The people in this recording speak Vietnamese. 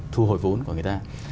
thu hồi vốn của người ta